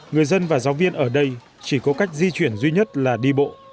người dân và giáo viên ở đây chỉ có cách di chuyển duy nhất là đi bộ